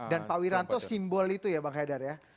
dan pak wiranto simbol itu ya bang haidar ya